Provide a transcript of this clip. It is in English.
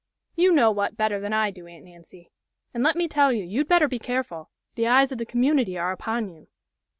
"You know what better than I do, Aunt Nancy; and let me tell you, you'd better be careful. The eyes of the community are upon you."